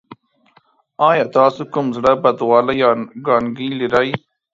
ایا تاسو کوم زړه بدوالی یا کانګې لرئ؟